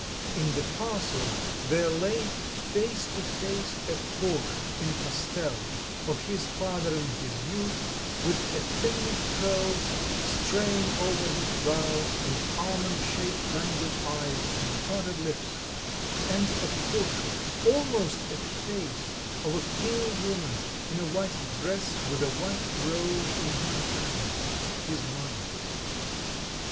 In the parcel there lay face to face a portrait, in pastel, of his father in his youth, with effeminate curls straying over his brow, with almond shaped languid eyes and parted lips, and a portrait, almost effaced, of a pale woman in a white dress with a white rose in her hand his mother.